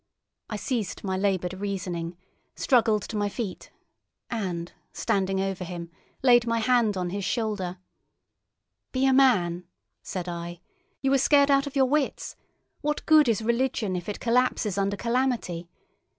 I ceased my laboured reasoning, struggled to my feet, and, standing over him, laid my hand on his shoulder. "Be a man!" said I. "You are scared out of your wits! What good is religion if it collapses under calamity?